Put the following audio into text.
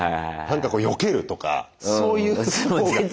なんかこうよけるとかそういうほうが。